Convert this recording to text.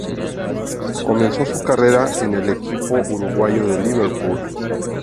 Comenzó su carrera en el equipo uruguayo de Liverpool.